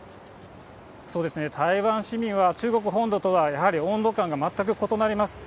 台湾市民は中国本土とはやはり温度感が全く異なります。